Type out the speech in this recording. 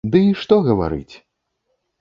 Ды і што гаварыць!